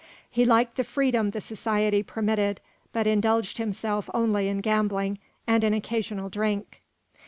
He liked the freedom the society permitted, but indulged himself only in gambling and an occasional drink.